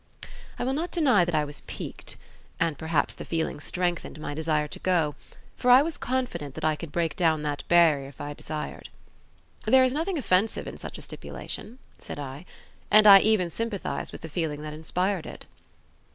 I will not deny that I was piqued, and perhaps the feeling strengthened my desire to go, for I was confident that I could break down that barrier if I desired. "There is nothing offensive in such a stipulation," said I; "and I even sympathise with the feeling that inspired it."